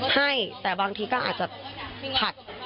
ให้แต่บางทีก็อาจจะผัด